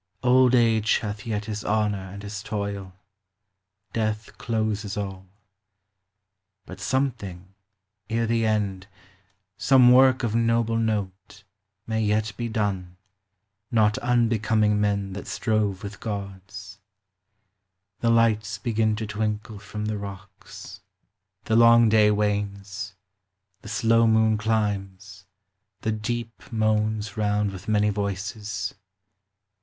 )ld age hath yet his honor and his toil : Death closes all : hut something, ere the end. Some work of noble note, may ye\ be done, \oi unbecoming men that < rove w it '■ The lights begin to t winkle from t 1 128 P0EM8 OF SENTIMENT. The long day wanes: the slow moon climbs: the deep Moans round with many voices.